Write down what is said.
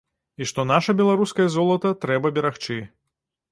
І што наша беларускае золата трэба берагчы.